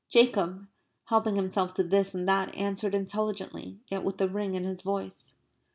Jacob, helping himself to this and that, answered intelligently, yet with a ring in his voice.